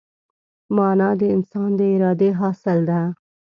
مانا د انسان د ارادې حاصل ده.